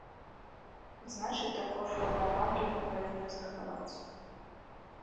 Значыць, такую форму гандлю мы павінны захаваць.